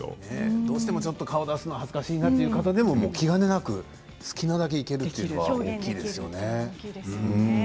どうしても顔を出すのが恥ずかしいなという方でも気兼ねなく好きなだけできるというのは大きいですよね。